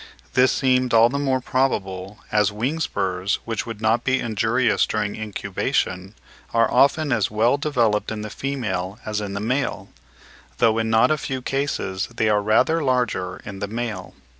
This seemed all the more probable, as wing spurs, which would not be injurious during incubation, are often as well developed in the female as in the male; though in not a few cases they are rather larger in the male.